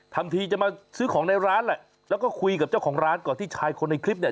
ทำทีจะมาซื้อของในร้านแหละแล้วก็คุยกับเจ้าของร้านก่อนที่ชายคนในคลิปเนี่ย